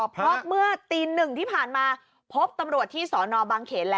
เพราะเมื่อตีหนึ่งที่ผ่านมาพบตำรวจที่สอนอบางเขนแล้ว